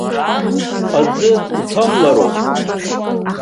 Аӡы уҭамлароуп.